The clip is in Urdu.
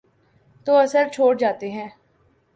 تو اثر چھوڑ جاتے ہیں۔